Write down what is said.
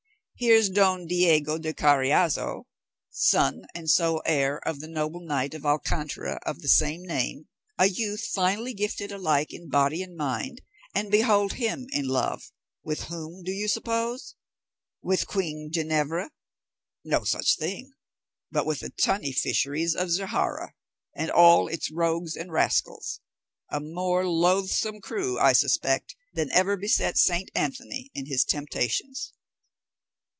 Here's Don Diego de Carriazo, son and sole heir of the noble knight of Alcántara of the same name, a youth finely gifted alike in body and mind, and behold him in love—with whom, do you suppose? With queen Ginevra? No such thing, but with the tunny fisheries of Zahara, and all its rogues and rascals,—a more loathsome crew, I suspect, than ever beset St. Anthony in his temptations."